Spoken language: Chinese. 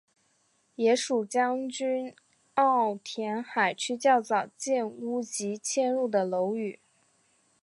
也属将军澳填海区较早建屋及迁入的楼宇。